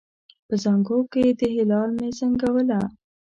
په زانګو کې د هلال مې زنګوله